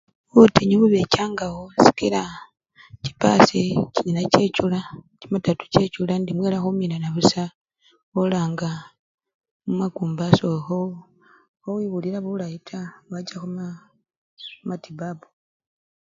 Butinyu bubechangawo sikila chipasi chinyala chechula chimatatu chechula indi mwela khuminana busa mwola nga mumakumba sokho! khowiwulila bulayi taa wacha khuma! khumatibabu.